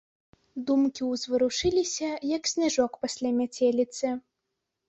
Думкі ўзварушыліся, як сняжок пасля мяцеліцы.